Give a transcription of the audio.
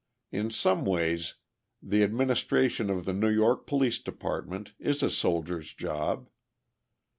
In some ways the administration of the New York Police Department is a soldier's job.